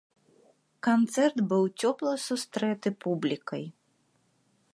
Канцэрт быў цёпла сустрэты публікай.